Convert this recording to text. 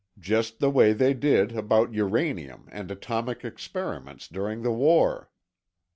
Just the way they did about uranium and atomic experiments during the war."